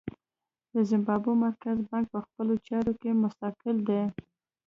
د زیمبابوې مرکزي بانک په خپلو چارو کې مستقل دی.